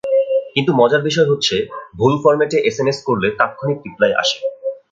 কিন্তু মজার বিষয় হচ্ছে, ভুল ফরম্যাটে এসএমএস করলে তাৎক্ষণিক রিপ্লাই আসে।